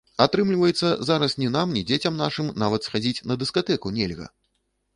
Атрымліваецца, зараз ні нам, ні дзецям нашым нават схадзіць на дыскатэку нельга!